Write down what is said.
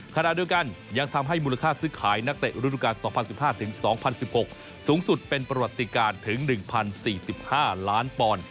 ขณะเดียวกันยังทำให้มูลค่าซื้อขายนักเตะฤดูการ๒๐๑๕๒๐๑๖สูงสุดเป็นประวัติการถึง๑๐๔๕ล้านปอนด์